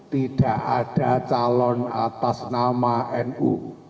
tidak ada calon atas nama nu